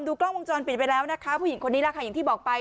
กล้องวงจรปิดไปแล้วนะคะผู้หญิงคนนี้แหละค่ะอย่างที่บอกไป